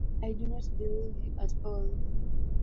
I do not believe him at all!